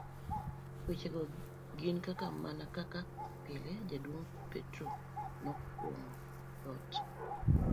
Wechego gin kaka, Mana kaka pile, jaduong Petro noguong'o thot